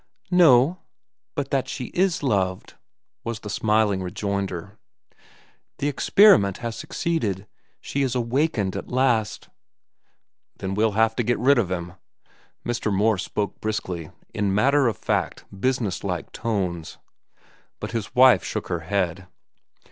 "No, but that she is loved," was the smiling rejoinder. "The experiment has succeeded. She is awakened at last." "Then we'll have to get rid of him." Mr. Morse spoke briskly, in matter of fact, businesslike tones. But his wife shook her head.